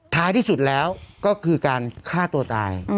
ท้ายที่สุดแล้วก็คือการฆ่าตัวตาย